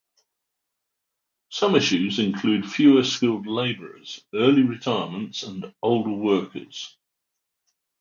Some issues include fewer skilled laborers, early retirements, and older workers.